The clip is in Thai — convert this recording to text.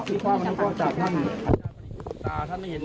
ทนี่ก็จากท่าน